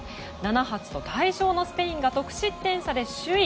７発と大勝のスペインが得失点差で首位。